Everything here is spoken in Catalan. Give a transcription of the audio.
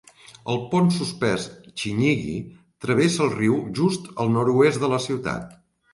El pont suspès Chinyingi travessa el riu just al nord-oest de la ciutat.